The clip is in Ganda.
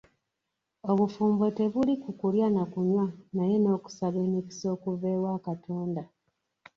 Obufumbo tebuli ku kulya na kunywa naye n'okusaba emikisa okuva ewa Katonda.